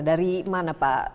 dari mana pak